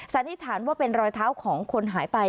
สันนิษฐานว่าเป็นรอยเท้าของคนหายไป